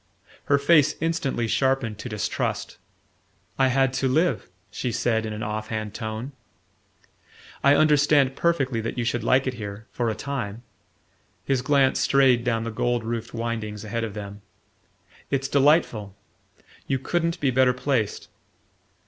Her face instantly sharpened to distrust. "I had to live," she said in an off hand tone. "I understand perfectly that you should like it here for a time." His glance strayed down the gold roofed windings ahead of them. "It's delightful: you couldn't be better placed.